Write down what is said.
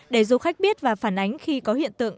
để du khách biết và phản ánh khi có hiện tượng